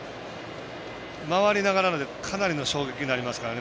回りながらなのでかなりの衝撃になりますからね。